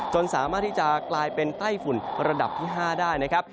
สามารถที่จะกลายเป็นไต้ฝุ่นระดับที่๕ได้นะครับ